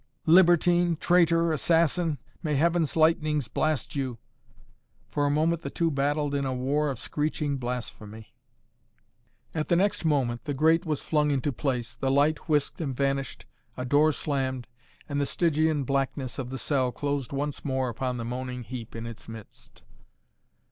"Libertine, traitor, assassin may heaven's lightnings blast you " For a moment the two battled in a war of screeching blasphemy. At the next moment the grate was flung into place, the light whisked and vanished, a door slammed and the Stygian blackness of the cell closed once more upon the moaning heap in its midst.